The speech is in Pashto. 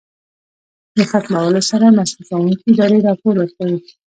د ختمولو سره مصرفوونکې ادارې راپور ورکوي.